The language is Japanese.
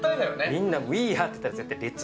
みんな、ウィー・アーって言ったら、レッズ。